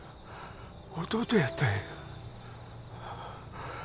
弟やったんやな